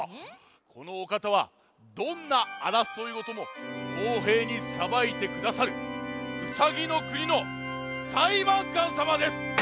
このおかたはどんなあらそいごともこうへいにさばいてくださるウサギのくにのさいばんかんさまです！